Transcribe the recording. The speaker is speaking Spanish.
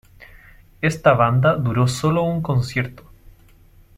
Esta banda duró solo un concierto.